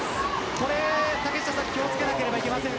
これ気を付けなければいけません